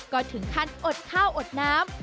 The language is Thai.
ก็ถึงขั้นอดข้าวอดน้ำ